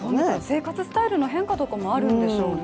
生活スタイルの変化とかもあるんでしょうね。